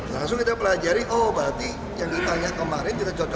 langsung kita pelajari oh berarti yang ditanya kemarin kita cocok